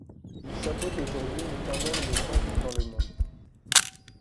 Il chapeaute aujourd'hui une quinzaine de centres dans le monde.